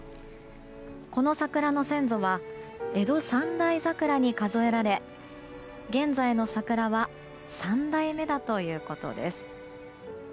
この桜の先祖は江戸三大桜に数えられ現在の桜は３代目だということです。